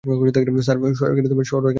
সর এখানে থেকে।